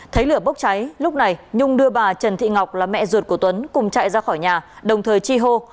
thấy lửa bốc cháy lúc này nhung đưa bà trần thị ngọc là mẹ ruột của tuấn cùng chạy ra khỏi nhà đồng thời chi hô